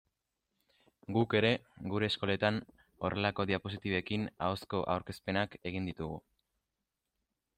Guk ere gure eskoletan horrelako diapositibekin ahozko aurkezpenak egin ditugu.